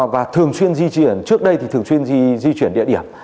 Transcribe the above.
và thường xuyên di chuyển trước đây thì thường xuyên di chuyển địa điểm